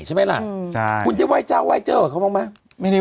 ใช่ไหมล่ะอืมใช่คุณจะไหว้เจ้าไหว้เจ้าเหรอเขาบอกไหมไม่ได้